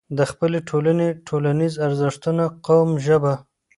د خپلې ټولنې، ټولنيز ارزښتونه، قوم، ژبه